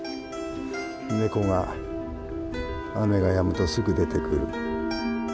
ネコが雨がやむとすぐ出てくる。